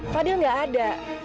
fadil nggak ada